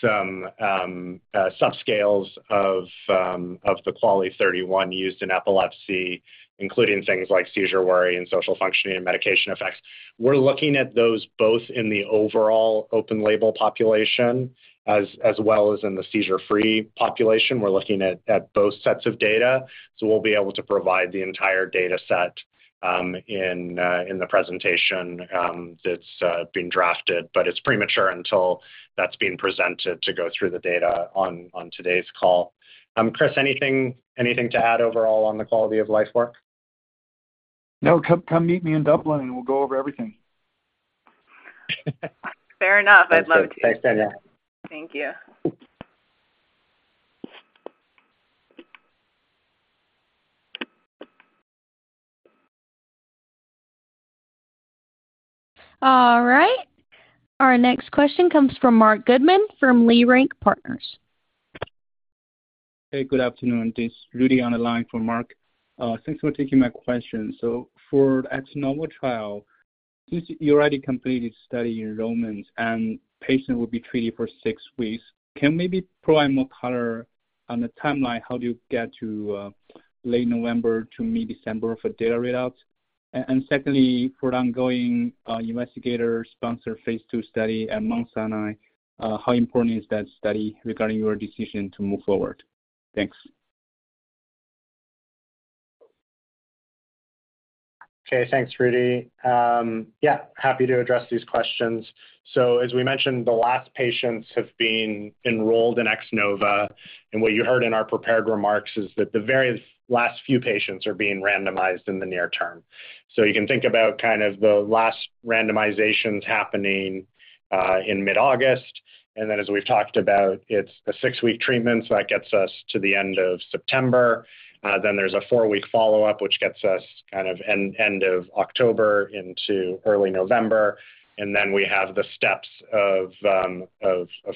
some subscales of the QOLIE-31 used in epilepsy, including things like seizure worry and social functioning and medication effects. We're looking at those both in the overall open label population as well as in the seizure-free population. We're looking at both sets of data. We'll be able to provide the entire data set in the presentation that's being drafted. It's premature until that's being presented to go through the data on today's call. Chris, anything, anything to add overall on the quality of life work? No. Come, come meet me in Dublin, and we'll go over everything. Fair enough. I'd love to. Thanks, Danielle. Thank you. All right. Our next question comes from Marc Goodman, from Leerink Partners. Hey, good afternoon. This is Rudy on the line for Mark. Thanks for taking my question. For the X-NOVA trial, since you already completed study enrollments and patients will be treated for six weeks, can you maybe provide more color on the timeline? How do you get to late November to mid-December for data readouts? Secondly, for the ongoing investigator sponsor phase II study at Mount Sinai, how important is that study regarding your decision to move forward? Thanks. Okay, thanks, Rudy. Yeah, happy to address these questions. As we mentioned, the last patients have been enrolled in X-NOVA, and what you heard in our prepared remarks is that the very last few patients are being randomized in the near term. You can think about kind of the last randomizations happening in mid-August. Then, as we've talked about, it's a six-week treatment, so that gets us to the end of September. Then there's a four-week follow-up, which gets us kind of end, end of October into early November. Then we have the steps of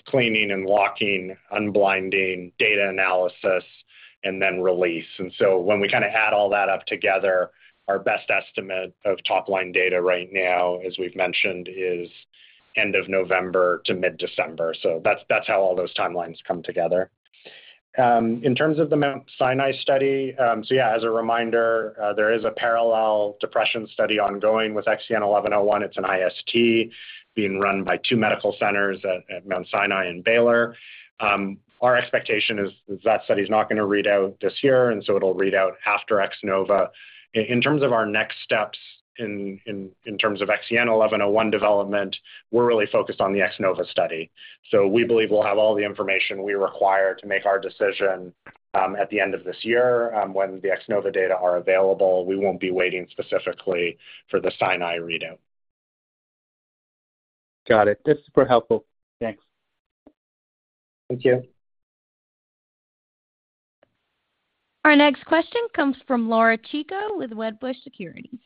cleaning and locking, unblinding, data analysis, and then release. When we kind of add all that up together, our best estimate of top-line data right now, as we've mentioned, is end of November to mid-December. That's, that's how all those timelines come together. In terms of the Mount Sinai study, as a reminder, there is a parallel depression study ongoing with XEN1101. It's an IST being run by two medical centers at Mount Sinai and Baylor. Our expectation is that study is not going to read out this year, it'll read out after X-NOVA. In terms of our next steps in terms of XEN1101 development, we're really focused on the X-NOVA study. We believe we'll have all the information we require to make our decision at the end of this year when the X-NOVA data are available. We won't be waiting specifically for the Sinai readout. Got it. This is super helpful. Thanks. Thank you. Our next question comes from Laura Chico with Wedbush Securities.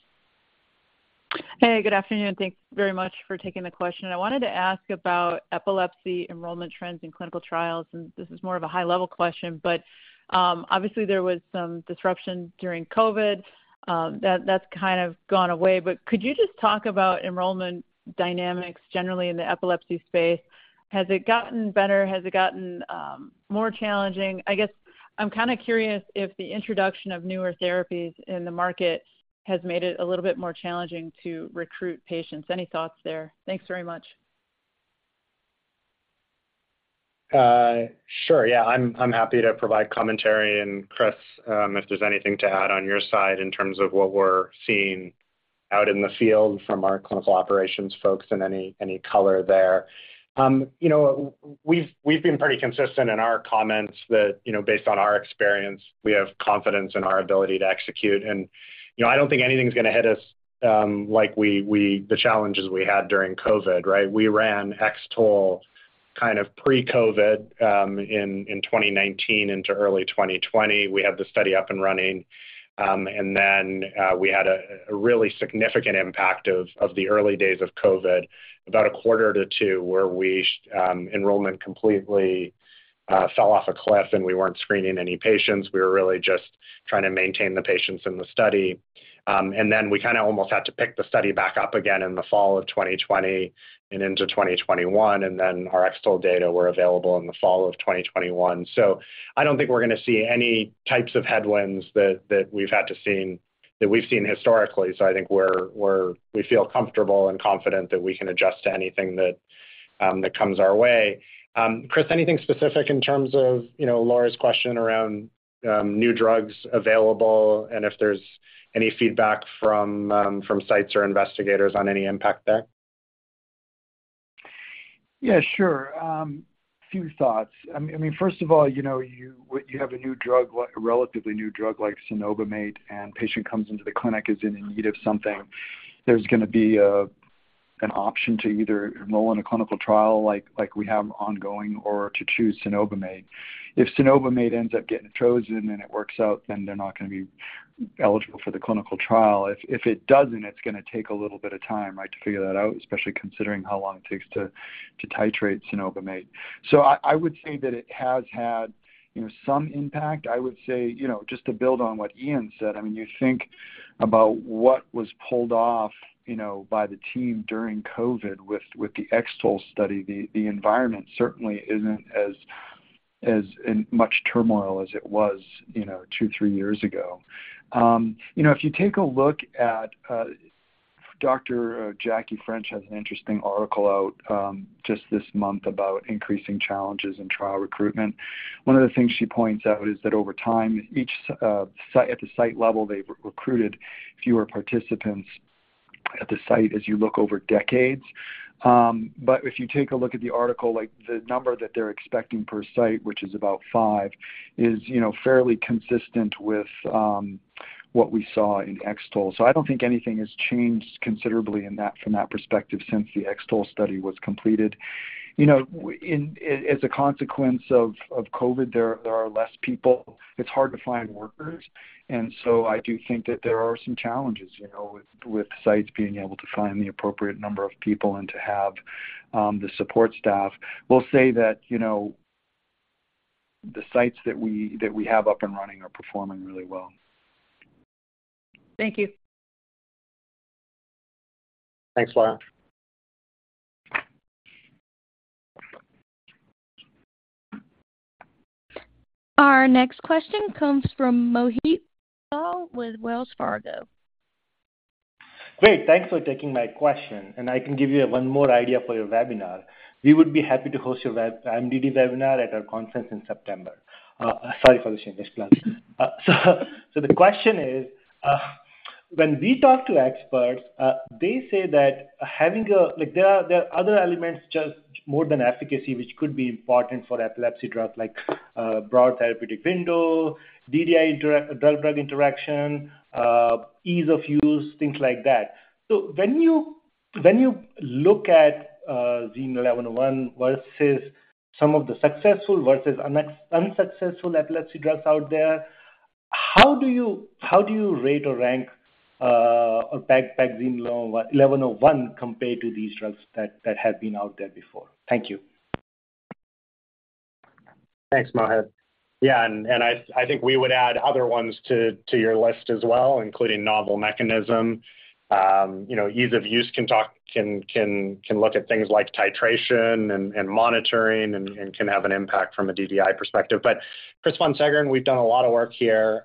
Hey, good afternoon. Thanks very much for taking the question. I wanted to ask about epilepsy enrollment trends in clinical trials. This is more of a high-level question, but, obviously there was some disruption during COVID. That's kind of gone away, but could you just talk about enrollment dynamics generally in the epilepsy space? Has it gotten better? Has it gotten more challenging? I guess I'm kind of curious if the introduction of newer therapies in the market has made it a little bit more challenging to recruit patients. Any thoughts there? Thanks very much. Sure. Yeah, I'm, I'm happy to provide commentary, and Chris, if there's anything to add on your side in terms of what we're seeing? Out in the field from our clinical operations folks and any, any color there. You know, we've, we've been pretty consistent in our comments that, you know, based on our experience, we have confidence in our ability to execute. You know, I don't think anything's going to hit us, like we-- the challenges we had during COVID, right? We ran X-TOLE kind of pre-COVID, in 2019 into early 2020. We had the study up and running, and then, we had a really significant impact of the early days of COVID, about a quarter to 2, where we, enrollment completely fell off a cliff, and we weren't screening any patients. We were really just trying to maintain the patients in the study. Then we kind of almost had to pick the study back up again in the fall of 2020 and into 2021, and then our X-TOLE data were available in the fall of 2021. I don't think we're going to see any types of headwinds that, that we've had to seen, that we've seen historically. I think we feel comfortable and confident that we can adjust to anything that comes our way. Chris, anything specific in terms of, you know, Laura's question around new drugs available, and if there's any feedback from sites or investigators on any impact there? Yeah, sure. A few thoughts. I mean, first of all, you know, you, when you have a new drug, like a relatively new drug like Cenobamate, and patient comes into the clinic, is in need of something, there's going to be a, an option to either enroll in a clinical trial like, like we have ongoing or to choose Cenobamate. If Cenobamate ends up getting chosen and it works out, then they're not going to be eligible for the clinical trial. If, if it doesn't, it's going to take a little bit of time, right, to figure that out, especially considering how long it takes to, to titrate Cenobamate. I, I would say that it has had, you know, some impact. I would say, you know, just to build on what Ian Mortimer said, I mean, you think about what was pulled off, you know, by the team during COVID with, with the X-TOLE study. The, the environment certainly isn't as, as in much turmoil as it was, you know, 2, 3 years ago. You know, if you take a look at Dr. Jacqueline French has an interesting article out, just this month about increasing challenges in trial recruitment. One of the things she points out is that over time, each, site-- at the site level, they've recruited fewer participants at the site as you look over decades. If you take a look at the article, like, the number that they're expecting per site, which is about 5, is, you know, fairly consistent with what we saw in X-TOLE. I don't think anything has changed considerably in that, from that perspective, since the X-TOLE study was completed. You know, in, as a consequence of COVID, there, there are less people. It's hard to find workers, I do think that there are some challenges, you know, with, with sites being able to find the appropriate number of people and to have the support staff. We'll say that, you know, the sites that we, that we have up and running are performing really well. Thank you. Thanks, Laura. Our next question comes from Mohit Bansal with Wells Fargo. Great. Thanks for taking my question, and I can give you one more idea for your webinar. We would be happy to host your MDD webinar at our conference in September. Sorry for the change of plan. The question is, when we talk to experts, they say that Like, there are other elements, just more than efficacy, which could be important for epilepsy drug, like, broad therapeutic window, DDI drug-drug interaction, ease of use, things like that. When you look at XEN1101 versus some of the successful versus unsuccessful epilepsy drugs out there, how do you rate or rank or peg XEN1101 compared to these drugs that have been out there before? Thank you. Thanks, Mohit. I think we would add other ones to your list as well, including novel mechanism. You know, ease of use can look at things like titration and monitoring and can have an impact from a DDI perspective. Chris Von Seggern, we've done a lot of work here,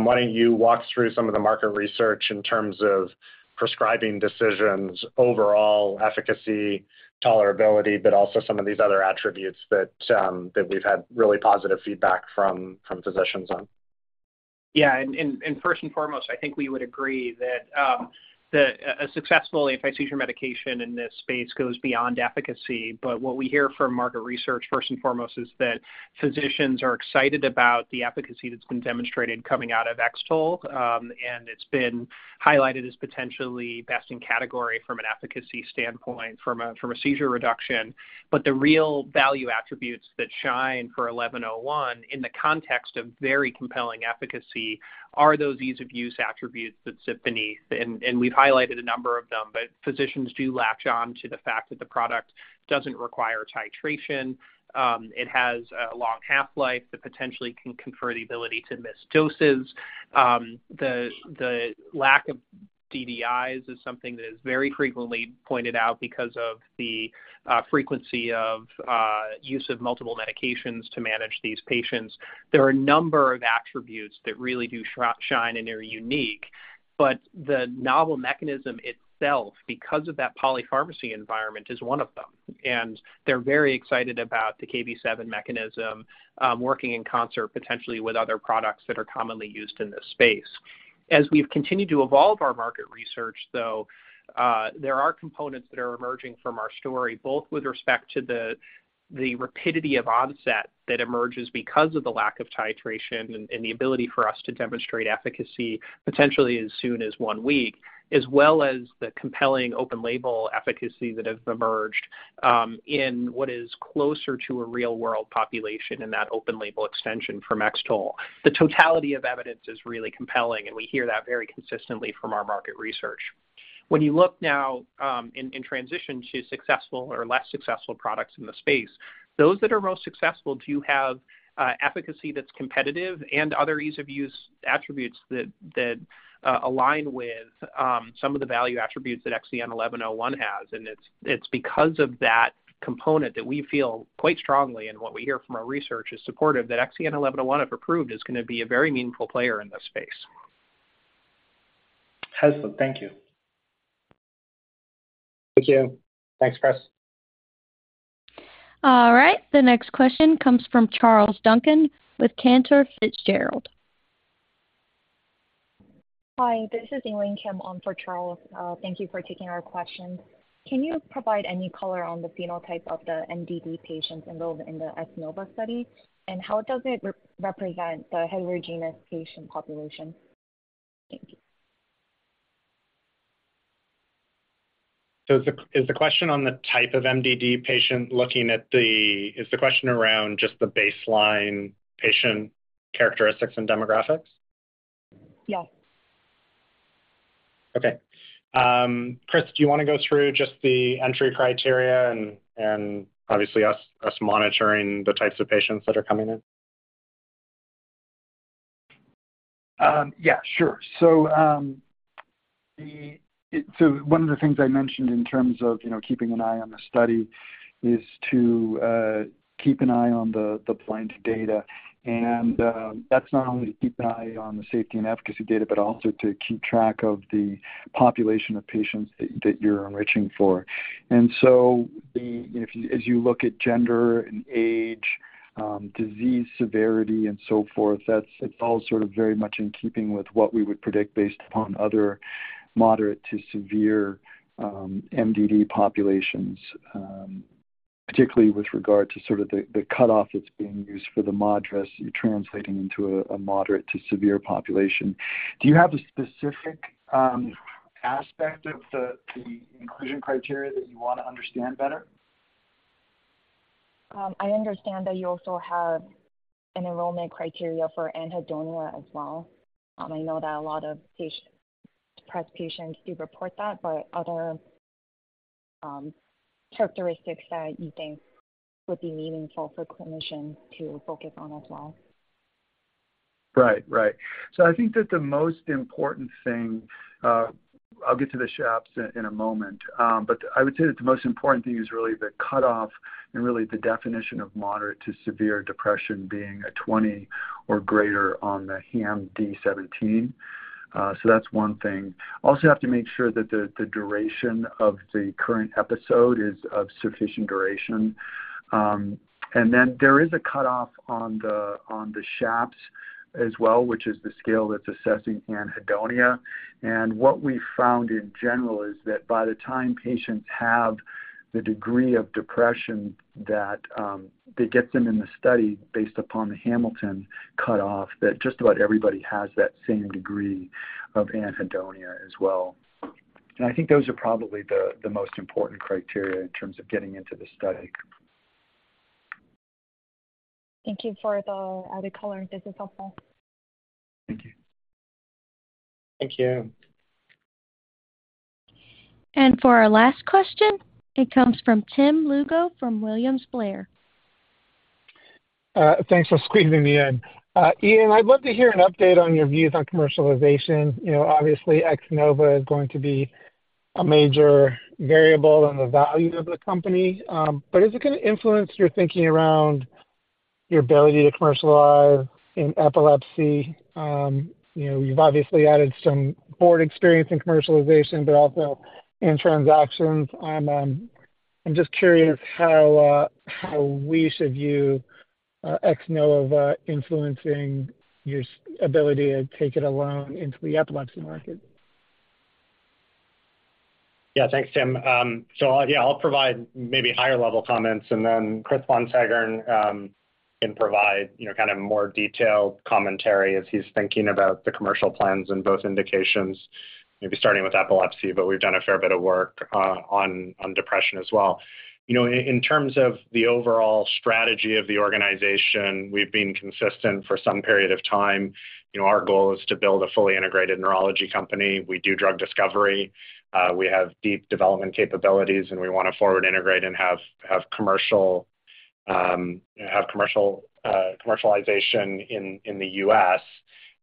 why don't you walk through some of the market research in terms of prescribing decisions, overall efficacy, tolerability, but also some of these other attributes that we've had really positive feedback from physicians on? Yeah, first and foremost, I think we would agree that a successful antiseizure medication in this space goes beyond efficacy. What we hear from market research, first and foremost, is that physicians are excited about the efficacy that's been demonstrated coming out of X-TOLE, and it's been highlighted as potentially best in category from an efficacy standpoint, from a seizure reduction. The real value attributes that shine for XEN1101 in the context of very compelling efficacy are those ease-of-use attributes that sit beneath. We've highlighted a number of them, but physicians do latch on to the fact that the product doesn't require titration, it has a long half-life that potentially can confer the ability to miss doses. The lack of DDIs is something that is very frequently pointed out because of the frequency of use of multiple medications to manage these patients. There are a number of attributes that really do shine and are unique, but the novel mechanism itself, because of that polypharmacy environment, is one of them. They're very excited about the Kv7 mechanism, working in concert, potentially with other products that are commonly used in this space. As we've continued to evolve our market research, though, there are components that are emerging from our story, both with respect to the-... the rapidity of onset that emerges because of the lack of titration and, and the ability for us to demonstrate efficacy potentially as soon as one week, as well as the compelling open label efficacy that has emerged in what is closer to a real-world population in that open label extension from X-TOLE. The totality of evidence is really compelling, we hear that very consistently from our market research. When you look now, in, in transition to successful or less successful products in the space, those that are most successful do have efficacy that's competitive and other ease-of-use attributes that, that align with some of the value attributes that XEN1101 has. It's, it's because of that component that we feel quite strongly, and what we hear from our research is supportive, that XEN1101, if approved, is going to be a very meaningful player in this space. Helpful. Thank you. Thank you. Thanks, Chris. All right, the next question comes from Charles Duncan with Cantor Fitzgerald. Hi, this is Elaine Kim on for Charles. Thank you for taking our question. Can you provide any color on the phenotype of the MDD patients enrolled in the X-NOVA study? How does it re-represent the heterogeneous patient population? Thank you. Is the, is the question on the type of MDD patient? Is the question around just the baseline patient characteristics and demographics? Yes. Okay. Chris, do you want to go through just the entry criteria and, and obviously us, us monitoring the types of patients that are coming in? Yeah, sure. The, it... one of the things I mentioned in terms of, you know, keeping an eye on the study is to keep an eye on the blind data. That's not only to keep an eye on the safety and efficacy data, but also to keep track of the population of patients that, that you're enriching for. The, if, as you look at gender and age, disease severity, and so forth, that's it's all sort of very much in keeping with what we would predict based upon other moderate to severe MDD populations, particularly with regard to sort of the cutoff that's being used for the moderate. You're translating into a, a moderate to severe population. Do you have a specific aspect of the, the inclusion criteria that you want to understand better? I understand that you also have an enrollment criteria for anhedonia as well. I know that a lot of patient, depressed patients do report that, but other characteristics that you think would be meaningful for clinicians to focus on as well. Right. Right. I think that the most important thing, I'll get to the SHAPS in a moment. I would say that the most important thing is really the cutoff and really the definition of moderate to severe depression being a 20 or greater on the HAMD-17. That's 1 thing. Also, you have to make sure that the, the duration of the current episode is of sufficient duration. There is a cutoff on the, on the SHAPS as well, which is the scale that's assessing anhedonia. What we found in general is that by the time patients have the degree of depression, that, that gets them in the study based upon the Hamilton cutoff, that just about everybody has that same degree of anhedonia as well. I think those are probably the, the most important criteria in terms of getting into the study. Thank you for the added color. This is helpful. Thank you. Thank you. For our last question, it comes from Tim Lugo from William Blair. Thanks for squeezing me in. Ian, I'd love to hear an update on your views on commercialization. You know, obviously, X-NOVA is going to be a major variable in the value of the company, is it going to influence your thinking around your ability to commercialize in epilepsy? You know, you've obviously added some board experience in commercialization, also in transactions. I'm just curious how we should view X-NOVA influencing your ability to take it alone into the epilepsy market. Yeah. Thanks, Tim. Yeah, I'll provide maybe higher-level comments, and then Chris Von Seggern can provide, you know, kind of more detailed commentary as he's thinking about the commercial plans in both indications. Maybe starting with epilepsy, but we've done a fair bit of work on depression as well. You know, in, in terms of the overall strategy of the organization, we've been consistent for some period of time. You know, our goal is to build a fully integrated neurology company. We do drug discovery, we have deep development capabilities, and we want to forward integrate and have, have commercial, have commercial commercialization in the U.S.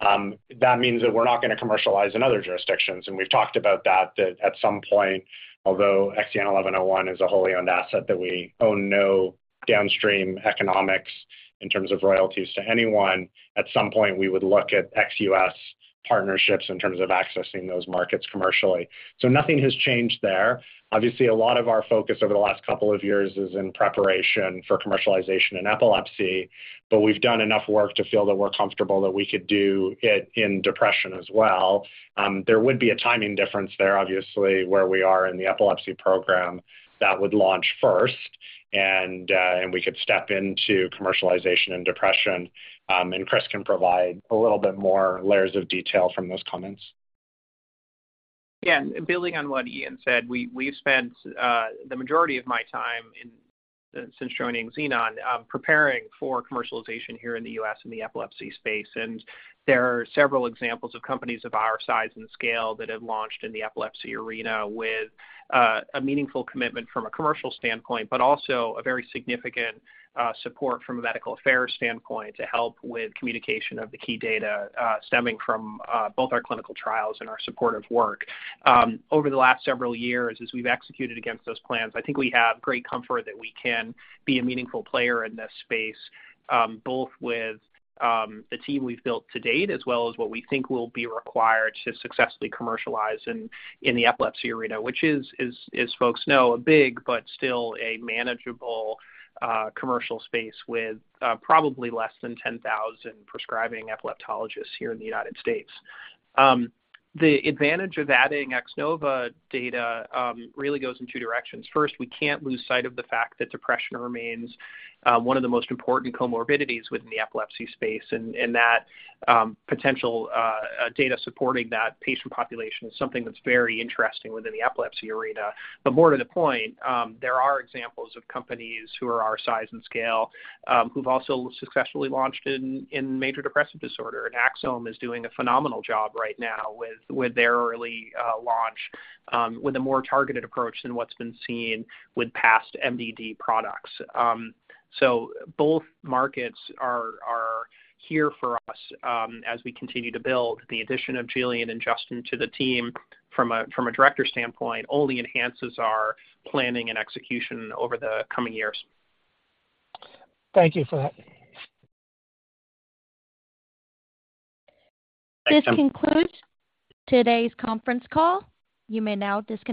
That means that we're not going to commercialize in other jurisdictions, and we've talked about that. That at some point, although XEN1101 is a wholly owned asset, that we own no downstream economics in terms of royalties to anyone. At some point, we would look at ex-US partnerships in terms of accessing those markets commercially. Nothing has changed there. Obviously, a lot of our focus over the last 2 years is in preparation for commercialization in epilepsy, but we've done enough work to feel that we're comfortable that we could do it in depression as well. There would be a timing difference there, obviously, where we are in the epilepsy program that would launch first. We could step into commercialization and depression. Chris can provide a little bit more layers of detail from those comments. Yeah, building on what Ian said, we, we've spent the majority of my time in, since joining Xenon, preparing for commercialization here in the U.S. in the epilepsy space. There are several examples of companies of our size and scale that have launched in the epilepsy arena with a meaningful commitment from a commercial standpoint, but also a very significant support from a medical affairs standpoint to help with communication of the key data stemming from both our clinical trials and our supportive work. Over the last several years, as we've executed against those plans, I think we have great comfort that we can be a meaningful player in this space, both with the team we've built to date, as well as what we think will be required to successfully commercialize in, in the epilepsy arena. Which is, as folks know, a big but still a manageable commercial space with probably less than 10,000 prescribing epileptologists here in the United States. The advantage of adding X-NOVA data really goes in two directions. First, we can't lose sight of the fact that depression remains one of the most important comorbidities within the epilepsy space, and that potential data supporting that patient population is something that's very interesting within the epilepsy arena. More to the point, there are examples of companies who are our size and scale, who've also successfully launched in major depressive disorder. Axsome is doing a phenomenal job right now with their early launch with a more targeted approach than what's been seen with past MDD products. Both markets are, are here for us, as we continue to build. The addition of Jillian and Justin to the team from a, from a director standpoint, only enhances our planning and execution over the coming years. Thank you for that. Thank you. This concludes today's conference call. You may now disconnect.